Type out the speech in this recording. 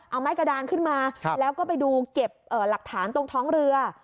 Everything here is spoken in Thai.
เอาไม้กระดานขึ้นมาแล้วก็ไปดูเก็บหลักฐานตรงท้องเรือ